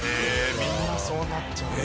みんなそうなっちゃうんだ。